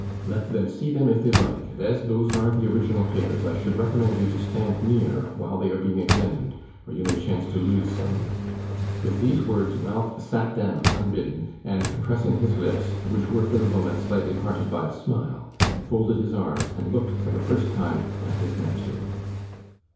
'Let them see them if they like; and as those are the original papers, I should recommend you to stand near while they are being examined, or you may chance to lose some.' With these words Ralph sat down unbidden, and compressing his lips, which were for the moment slightly parted by a smile, folded his arms, and looked for the first time at his nephew.